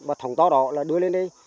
và thống to đó là đưa lên đây